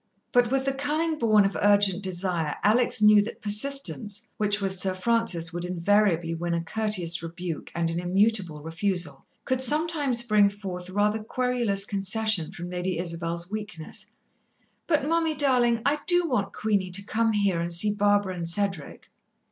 But with the cunning borne of urgent desire, Alex knew that persistence, which with Sir Francis would invariably win a courteous rebuke and an immutable refusal, could sometimes bring forth rather querulous concession from Lady Isabel's weakness. "But, mummy, darling, I do want Queenie to come here and see Barbara and Cedric."